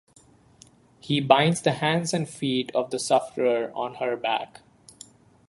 He binds the hands and feet of the sufferer on her back.